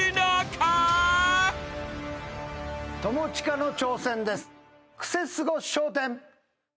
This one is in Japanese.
友近の挑戦です。